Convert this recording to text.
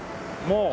もう。